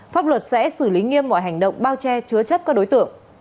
pháp luật sẽ xử lý nghiêm mọi hành động bao che chứa chấp các đối tượng